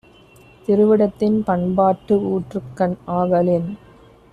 திருவிடத்தின் பண்பாட்டு ஊற்றுக்கண் ஆகலின்